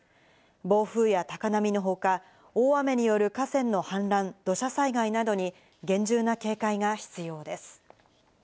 暴風や高波の他、大雨による河川の氾濫、土砂災害などに厳重な警戒が必要です。